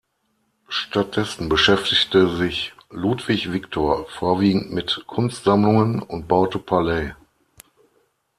Stattdessen beschäftigte sich Ludwig Viktor vorwiegend mit Kunstsammlungen und baute Palais.